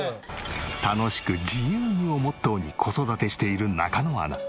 楽しく自由にをモットーに子育てしている中野アナ。